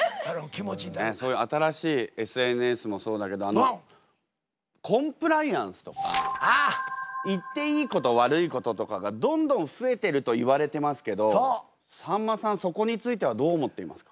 そういう新しいＳＮＳもそうだけどコンプライアンスとか言っていいこと悪いこととかがどんどん増えてると言われてますけどさんまさんそこについてはどう思っていますか？